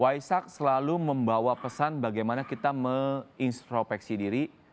waisak selalu membawa pesan bagaimana kita menginstropeksi diri